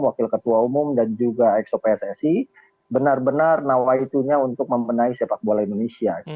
wakil ketua umum dan juga exo pssi benar benar nawaitunya untuk membenahi sepak bola indonesia